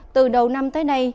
từ đầu năm tới nay